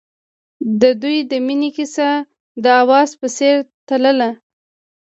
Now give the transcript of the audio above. د دوی د مینې کیسه د اواز په څېر تلله.